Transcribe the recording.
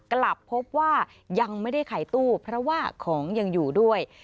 กลับพบว่ายังไม่ได้ขายตู้เพราะว่าของยังอยู่ด้วย